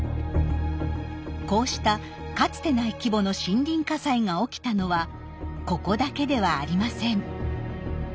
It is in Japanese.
こうしたかつてない規模の森林火災が起きたのはここだけではありません。